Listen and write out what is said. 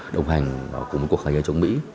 đồng hành cùng một cuộc hành giới chống mỹ